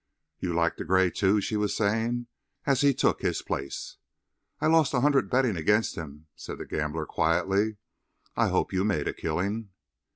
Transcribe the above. "You liked the gray, too?" she was saying, as he took his place. "I lost a hundred betting against him," said the gambler quietly. "I hope you made a killing."